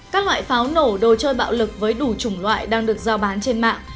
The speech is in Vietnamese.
các loại pháo nổ đồ chơi bạo lực với đủ chủng loại đang được giao bán trên mạng